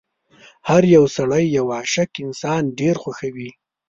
هر يو سړی یو عاشق انسان ډېر خوښوي.